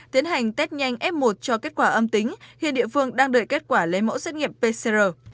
tiến hành test nhanh f một cho kết quả âm tính hiện địa phương đang đợi kết quả lấy mẫu xét nghiệm pcr